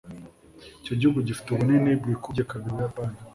icyo gihugu gifite ubunini bwikubye kabiri ubuyapani